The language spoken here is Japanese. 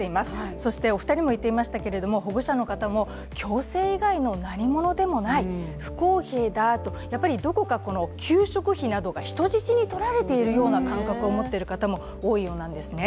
そしてお二人も言っていましたけれども保護者の方も強制以外の何者でもない、不公平だと、やっぱりどこか、給食費などが人質に取られているような感覚を持っている方も多いようなんですね。